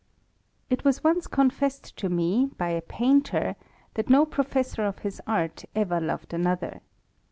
It was once confessed to me^ by a painter, that no [ fessor of his art ever loved another.